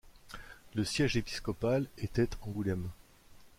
Le siège épiscopal était Angoulême.